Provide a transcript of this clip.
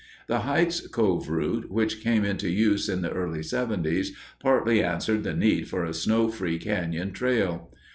The Hite's Cove route, which came into use in the early 'seventies, partly answered the need for a snow free canyon trail.